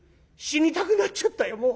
死にたくなっちゃったよ